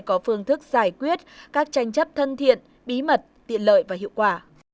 có phương thức giải quyết các tranh chấp thân thiện bí mật tiện lợi và hiệu quả